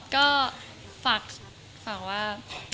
ก็ฝากว่า